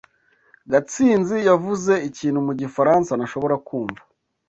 Gatsinzi yavuze ikintu mu gifaransa ntashobora kumva.